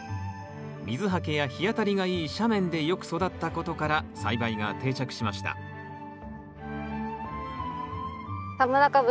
水はけや日当たりがいい斜面でよく育ったことから栽培が定着しました田村かぶ